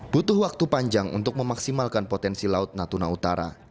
butuh waktu panjang untuk memaksimalkan potensi laut natuna utara